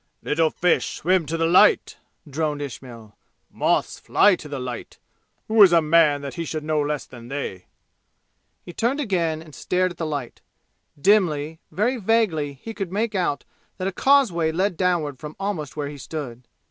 "Little fish swim to the light!" droned Ismail. "Moths fly to the light! Who is a man that he should know less than they?" He turned again and stared at the light. Dimly, very vaguely be could make out that a causeway led downward from almost where he stood.